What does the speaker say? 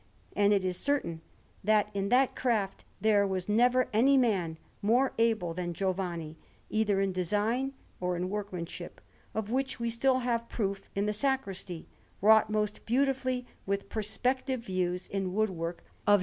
And it is certain that in that craft there was never any man more able than Giovanni, either in design or in workmanship: of which we still have proof in the Sacristy, wrought most beautifully with perspective views in woodwork, of S.